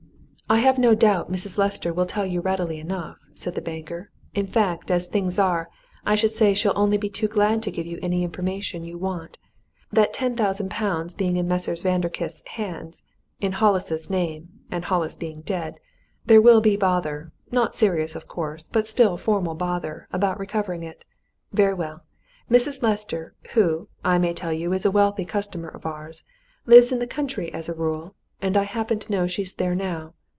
"I have no doubt Mrs. Lester will tell you readily enough," said the banker. "In fact, as things are, I should say she'll only be too glad to give you any information you want. That ten thousand pounds being in Messrs. Vanderkiste's hands, in Hollis's name, and Hollis being dead, there will be bother not serious, of course, but still formal bother about recovering it. Very well Mrs. Lester, who, I may tell you, is a wealthy customer of ours, lives in the country as a rule, and I happen to know she's there now.